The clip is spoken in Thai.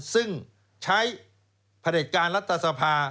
ซึ่งใช้ผลิตการรัฐสภา